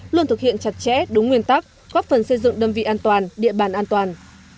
luôn thực hiện chặt chẽ đúng nguyên tắc góp phần xây dựng đơn vị an toàn địa bàn an toàn